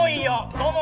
どうも。